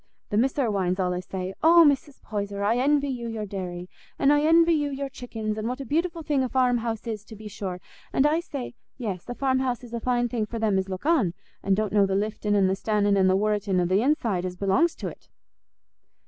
The Miss Irwines allays say, 'Oh, Mrs. Poyser, I envy you your dairy; and I envy you your chickens; and what a beautiful thing a farm house is, to be sure!' An' I say, 'Yes; a farm house is a fine thing for them as look on, an' don't know the liftin', an' the stannin', an' the worritin' o' th' inside as belongs to't.